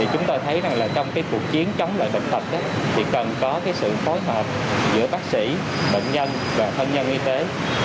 chúng ta thấy trong cuộc chiến chống loại bệnh tật thì cần có sự phối hợp giữa bác sĩ bệnh nhân và thân nhân y tế